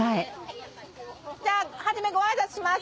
じゃあ初めごあいさつします